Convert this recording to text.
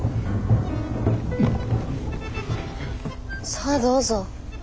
さあどうぞ。